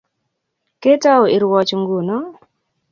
Ketou irwoch nguno